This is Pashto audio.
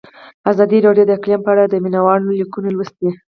ازادي راډیو د اقلیم په اړه د مینه والو لیکونه لوستي.